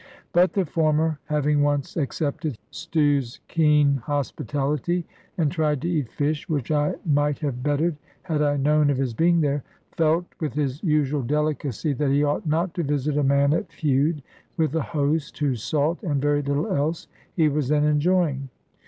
But the former having once accepted Stew's keen hospitality, and tried to eat fish (which I might have bettered, had I known of his being there), felt, with his usual delicacy, that he ought not to visit a man at feud with the host whose salt and very little else he was then enjoying.